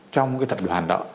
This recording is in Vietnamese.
trong cái tập đoàn đó